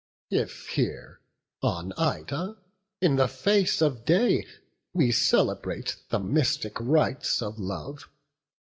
If here on Ida, in the face of day, We celebrate the mystic rites of love.